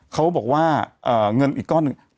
เขาบอกว่าเงินอีกก้อนหนึ่ง